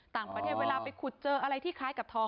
ต่างประเทศเวลาไปขุดเจออะไรที่คล้ายกับทอง